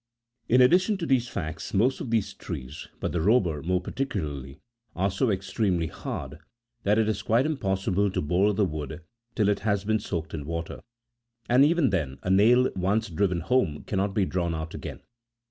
In addition to these facts, most of these trees, but the robur more particularly, are so extremely hard, that it is quite impossible to bore the wood till it has been soaked in water ; and even then, a nail once driven home cannot be drawn out again.